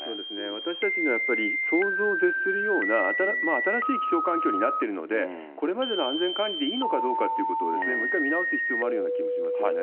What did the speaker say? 私たちにはやっぱり、想像を絶するような新しい気象環境になっているので、これまでの安全管理でいいのかどうかということを、もう一回見直す必要があるような気もしますけどね。